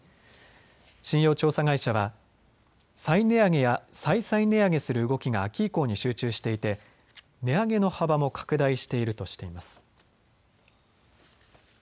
信用調査会社は再値上げや再々値上げする動きが秋以降に集中していて値上げの幅も拡大しているとしています。